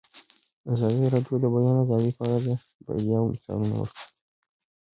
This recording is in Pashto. ازادي راډیو د د بیان آزادي په اړه د بریاوو مثالونه ورکړي.